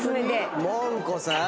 もんこさん！